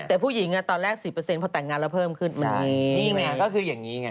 แต่ผู้หญิงในตอนแรกอีก๑๐พอแต่งงานแล้วเพิ่มซะถึงแบบนี้